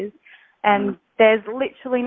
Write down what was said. dan tidak ada pilihan